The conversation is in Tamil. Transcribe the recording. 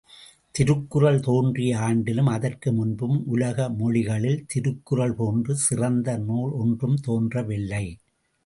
திருக்குறள் தோன்றிய ஆண்டிலும் அதற்கு முன்பும் உலக மொழிகளில் திருக்குறள் போன்ற சிறந்த நூல் ஒன்றும் தோன்றவில்லை.